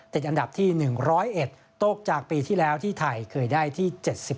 ติดอันดับที่๑๐๑ตกจากปีที่แล้วที่ไทยเคยได้ที่๗๑